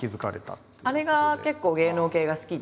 姉が結構芸能系が好きで。